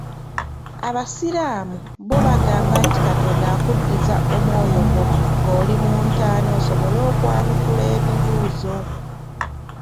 Abasiraamu bo bagamba nti Katonda akuddiza omwoyo gwo nga oli mu ntaana osobole okwanukula ebibuuzo.